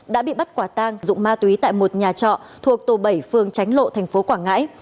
đã bị bắt quả tang dụng ma túy tại một nhà trọ thuộc tổ bảy phường tránh lộ thành phố quảng ngãi